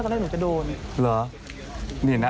คาใช้โดนตืบ